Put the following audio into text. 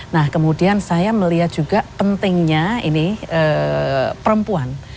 nah kemudian saya melihat juga pentingnya ini perempuan